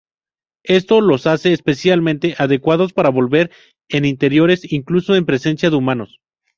Esto los hace especialmente adecuados para volar en interiores, incluso en presencia de humanos.